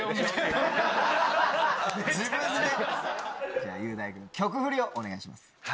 じゃあ雄大君曲フリをお願いします。